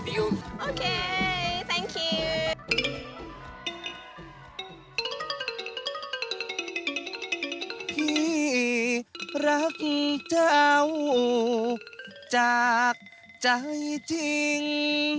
พี่รักเจ้าจากใจจริง